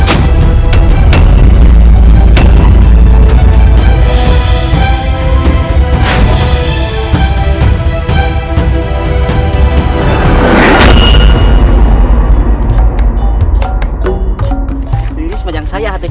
ini semuanya yang saya hasilkan